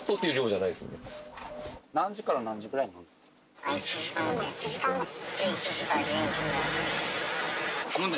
何時から何時ぐらいに飲んだ？